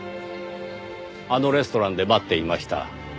あのレストランで待っていました。